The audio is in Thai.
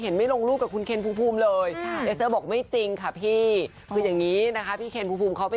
เขาก็เลยขอปีหน้า